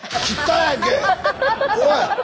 おい！